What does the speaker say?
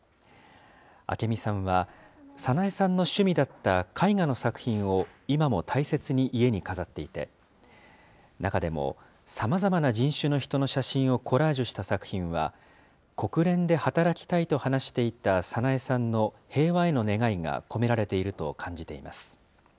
明美さんは、早苗さんの趣味だった絵画の作品を今も大切に家に飾っていて、中でも、さまざまな人種の人の写真をコラージュした作品は、国連で働きたいと話していた早苗さんの平和への願いが込められていると感じています。